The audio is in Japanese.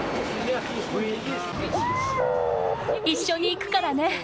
一緒に行くからね。